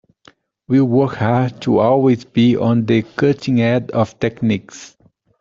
We work hard to always be on the cutting edge of techniques.